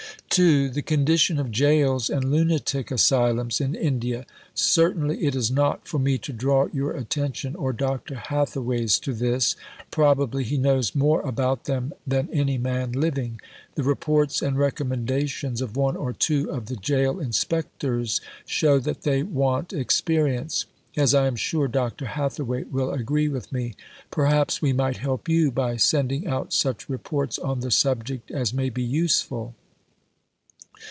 (2) The condition of Jails and Lunatic Asylums in India. Certainly it is not for me to draw your attention or Dr. Hathaway's to this. Probably he knows more about them than any man living. The reports and recommendations of one or two of the Jail Inspectors shew that they want experience: as I am sure Dr. Hathaway will agree with me. Perhaps we might help you by sending out such Reports on the subject as may be useful.